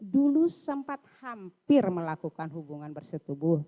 dulu sempat hampir melakukan hubungan bersetubuh